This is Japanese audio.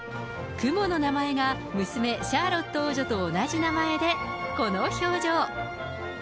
クモの名前が、娘、シャーロット王女と同じ名前で、この表情。